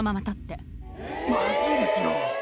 まずいですよ。